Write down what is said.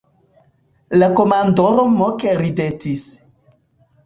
La komandoro moke ridetis.